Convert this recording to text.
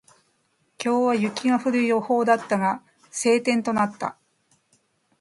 今日は雪が降る予報だったが、晴天となった。